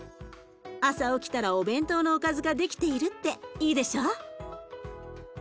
朝起きたらお弁当のおかずができているっていいでしょう？